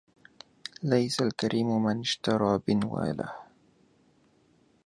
ليس الكريم من اشترى بنواله